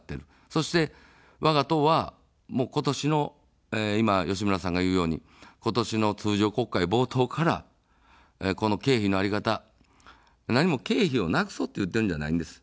そして、わが党は今年の、いま吉村さんが言うように今年の通常国会冒頭からこの経費の在り方、何も経費をなくそうと言っているわけではないんです。